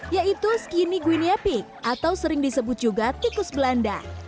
yaitu skinny gwinia pic atau sering disebut juga tikus belanda